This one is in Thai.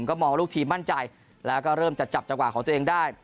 ก็มองว่าลูกทีมมั่นใจแล้วก็เริ่มจะจับจังหวะของตัวเองได้